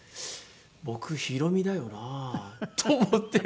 僕ひろみだよなと思って。